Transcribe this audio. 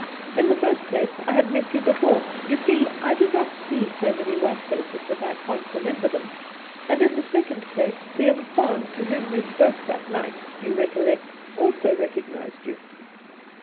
In the first place, I had met you before — you see, I do not see so many white faces that I can't remember them ; and in the second place, the umfaan to whom you spoke that night, you recol lect, also recognised you.'